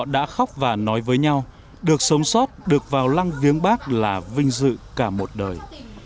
đã khóc và nói với nhau được sống sót được vào lăng viếng bắc là vinh dự cả một đời